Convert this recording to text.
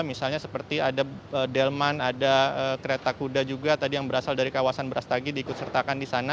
misalnya seperti ada delman ada kereta kuda juga tadi yang berasal dari kawasan berastagi diikut sertakan di sana